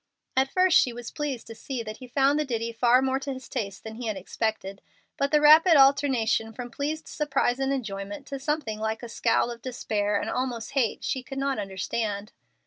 At first she was pleased to see that he found the ditty far more to his taste than he had expected. But the rapid alternation from pleased surprise and enjoyment to something like a scowl of despair and almost hate she could not understand.